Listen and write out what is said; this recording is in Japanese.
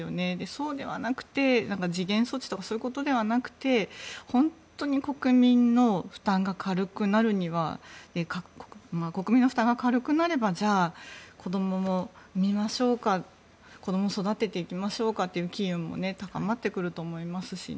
そうではなくて、時限措置とかそういうことではなくて本当に国民の負担が軽くなるには国民の負担が軽くなればじゃあ、子どもも産みましょうか子どもを育てていきましょうかという機運も高まってくると思いますしね。